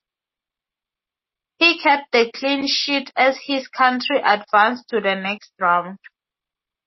He kept the clean sheet as his country advanced to the next round.